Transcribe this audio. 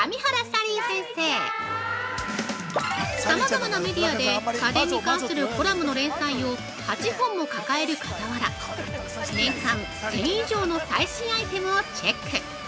さまざまなメディアで家電に関するコラムの連載を８本も抱える傍ら、年間１０００以上の最新アイテムをチェック。